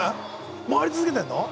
回り続けてんの？